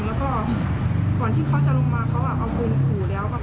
แล้วก็ก่อนที่เขาจะลงมาเขาเอาปืนขู่แล้ว